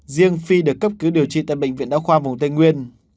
riêng phi được cấp cứu điều trị tại bệnh viện đao khoa vùng tây nguyên